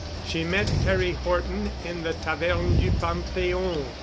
She met Harry Horton in the Taverne du Pantheon.